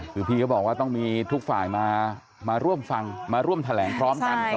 คือพี่เขาบอกว่าต้องมีทุกฝ่ายมาร่วมฟังมาร่วมแถลงพร้อมกัน